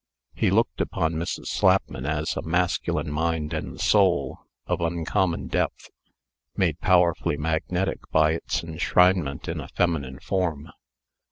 He looked upon Mrs. Slapman as a masculine mind and soul, of uncommon depth, made powerfully magnetic by its enshrinement in a feminine form.